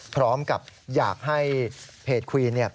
พร้อมกับอยากให้เพจควีน